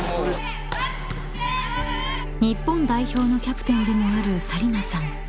［日本代表のキャプテンでもある紗理那さん］